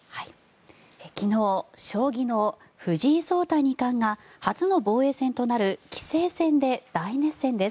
昨日、将棋の藤井聡太二冠が初の防衛戦となる棋聖戦で大熱戦です。